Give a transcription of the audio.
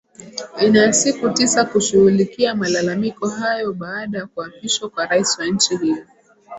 ina siku tisa kushughulikia malalamiko hayo baada kuapishwa kwa rais wa nchi hiyo